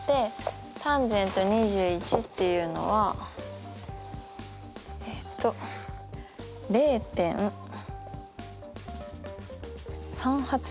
ｔａｎ２１っていうのはえっと０．３８３９。